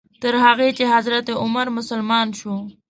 تر هغې چې حضرت عمر مسلمان شو.